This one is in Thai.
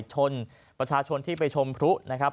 ชนประชาชนที่ไปชมพลุนะครับ